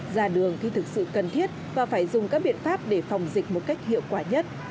ra đường khi thực sự cần thiết và phải dùng các biện pháp để phòng dịch một cách hiệu quả nhất